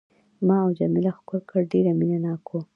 ما او جميله ښکل کړل، ډېر مینه ناک وو.